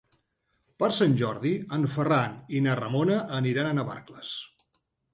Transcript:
Per Sant Jordi en Ferran i na Ramona aniran a Navarcles.